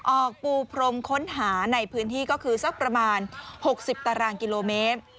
ออกปูพรมค้นหาในพื้นที่ก็คือสักประมาณ๖๐ตารางกิโลเมตร